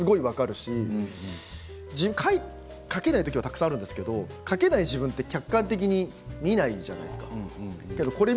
気持ちはすごい分かるし書けない時もたくさんあるんですけど書けない自分って客観的に見ないじゃないですか。